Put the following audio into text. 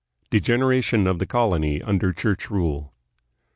Degeneration of the Colony under Church Rule.